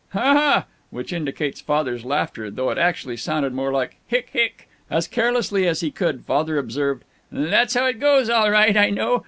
"Ha, ha!" Which indicates Father's laughter, though actually it sounded more like "Hick, hick!" As carelessly as he could Father observed: "That's how it goes, all right. I know.